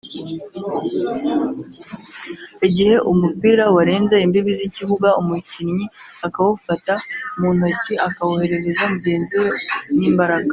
Igihe umupira warenze imbibi z’ikibuga umukinnyi akawufata mu ntoki akawoherereza mugenzi we n’imbaraga